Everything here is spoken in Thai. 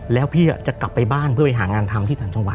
แล้วพี่จะกลับไปบ้านเพื่อไปหางานทำที่ต่างจังหวัด